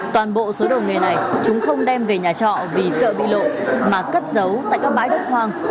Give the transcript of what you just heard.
toàn bộ số đầu nghề này chúng không đem về nhà trọ vì sợ bị lộ mà cất giấu tại các bãi đất hoang